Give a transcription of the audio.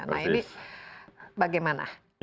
nah ini bagaimana